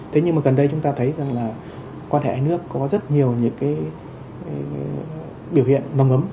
thế nhưng mà gần đây chúng ta thấy rằng là quan hệ hai nước có rất nhiều những cái biểu hiện nồng ấm